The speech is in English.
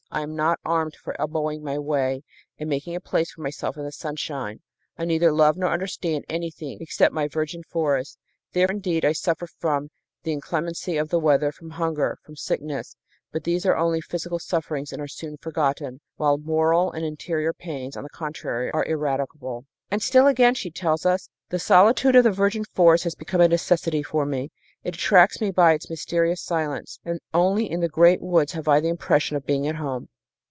I am not armed for elbowing my way and making a place for myself in the sunshine. I neither love nor understand anything except my virgin forest. There, indeed, I suffer from the inclemency of the weather, from hunger, from sickness; but these are only physical sufferings and are soon forgotten, while moral and interior pains, on the contrary, are ineradicable." And still again she tells us: "The solitude of the virgin forest has become a necessity for me; it attracts me by its mysterious silence, and only in the great woods have I the impression of being at home."